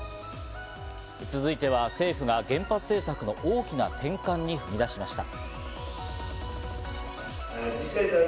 続いては政府が原発政策の大きな転換に踏み出しました。